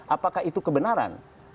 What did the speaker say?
apakah itu kebenaran